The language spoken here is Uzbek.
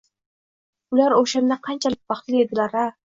Ular o`shanda qanchalik baxtli edilar-a